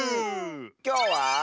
きょうは。